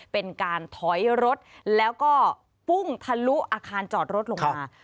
เป็นการถอยรถแล้วก็พุ่งทะลุอาคารจอดรถลงมา